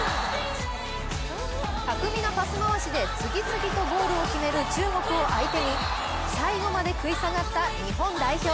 巧みなパス回しで次々とゴールを決める中国を相手に最後まで食い下がった日本代表。